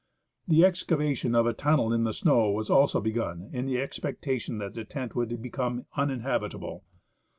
The excavation of a tunnel in the snow was also begun in the expectation that the tent would become uninhabitable.